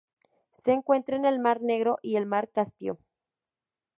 Se encuentra en el mar Negro y el mar Caspio.